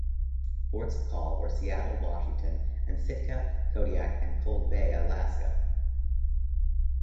Ports of call were Seattle, Washington and Sitka, Kodiak, and Cold Bay, Alaska.